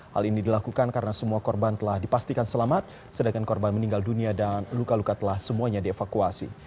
hal ini dilakukan karena semua korban telah dipastikan selamat sedangkan korban meninggal dunia dan luka luka telah semuanya dievakuasi